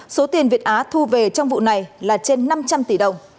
số tiền việt á thu về trong vụ này là trên năm trăm linh tỷ đồng